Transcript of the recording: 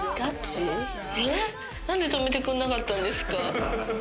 なんで止めてくれなかったんですか？